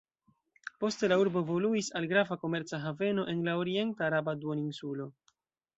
Poste la urbo evoluis al grava komerca haveno en la orienta araba duoninsulo.